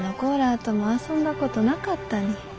あとも遊んだことなかったに。